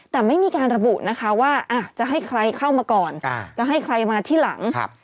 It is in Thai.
แต่ไม่มีการระบุนะคะว่าจะให้ใครเข้ามาก่อนจะให้ใครมาที่หลัง